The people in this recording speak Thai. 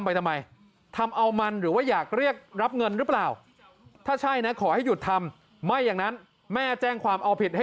ไม่ใช่ตังโมแน่นอนคือมันก็แม่งได้คือมันแม่งได้ทั้งหมดล่ะ